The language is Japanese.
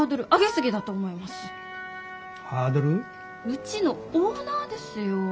うちのオーナーですよ。